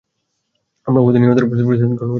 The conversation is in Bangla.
আমরা উহুদে নিহতদের প্রতিশোধ গ্রহণ করেছি।